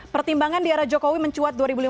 pertimbangan di era jokowi mencuat dua ribu lima belas